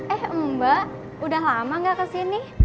eh mbak udah lama gak kesini